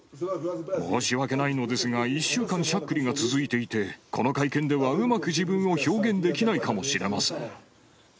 申し訳ないのですが、１週間しゃっくりが続いていて、この会見ではうまく自分を表現できないかもしれません。